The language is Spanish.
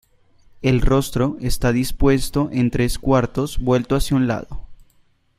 El rostro está dispuesto en tres cuartos, vuelto hacia un lado.